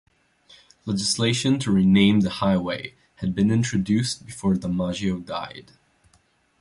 Legislation to rename the highway had been introduced before DiMaggio died.